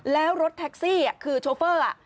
แล้วรถแท็กซี่คือโชเฟอร์